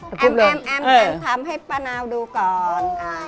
แอ็มทำให้ป้าหนาวดูก่อน